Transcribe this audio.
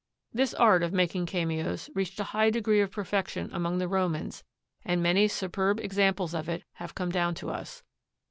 This art of making cameos reached a high degree of perfection among the Romans and many superb examples of it have come down to us.